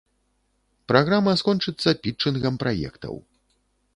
Праграма скончыцца пітчынгам праектаў.